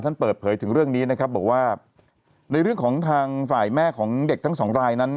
เปิดเผยถึงเรื่องนี้นะครับบอกว่าในเรื่องของทางฝ่ายแม่ของเด็กทั้งสองรายนั้น